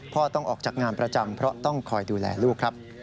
ต้องออกจากงานประจำเพราะต้องคอยดูแลลูกครับ